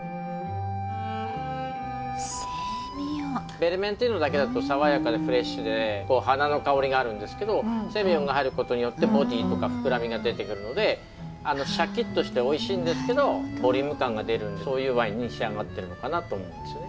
ヴェルメンティーノだけだと爽やかでフレッシュで花の香りがあるんですけどセミヨンが入ることによってボディーとか膨らみが出てくるのでシャキッとしておいしいんですけどボリューム感が出るそういうワインに仕上がってるのかなと思いますよね。